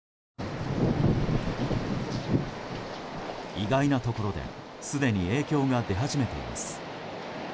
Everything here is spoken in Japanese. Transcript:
意外なところですでに影響が出始めています。